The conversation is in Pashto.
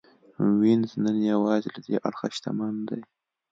وینز نن یوازې له دې اړخه شتمن دی